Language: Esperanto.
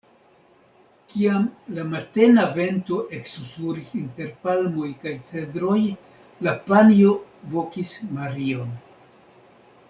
Kiam la matena vento eksusuris inter palmoj kaj cedroj, la panjo vokis Marion.